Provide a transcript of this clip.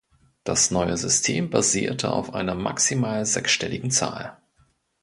Das neue System basierte auf einer maximal sechsstelligen Zahl.